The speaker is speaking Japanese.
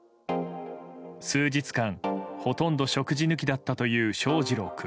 数日間ほとんど食事抜きだったという翔士郎君。